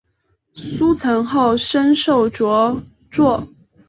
书成后升授着作。